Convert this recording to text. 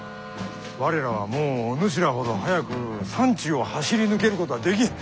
我らはもうお主らほど速く山中を走り抜けることはできん。